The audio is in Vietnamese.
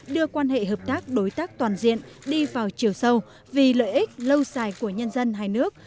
đưa quan hệ hợp tác đối tác toàn diện đi vào chiều sâu vì lợi ích lâu dài của nhân dân hai nước